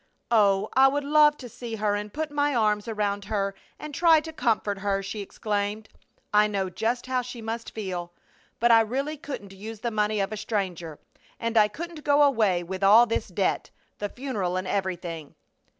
"Oh, I would love to see her and put my arms around her and try to comfort her!" she exclaimed. "I know just how she must feel. But I really couldn't use the money of a stranger, and I couldn't go away with all this debt, the funeral, and everything!"